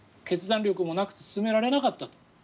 決断力もなくて進められなかったと。